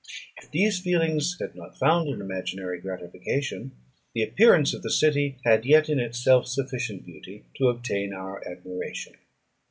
If these feelings had not found an imaginary gratification, the appearance of the city had yet in itself sufficient beauty to obtain our admiration.